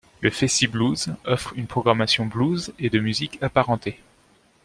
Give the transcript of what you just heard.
Le FestiBlues offre une programmation blues et de musiques apparentées.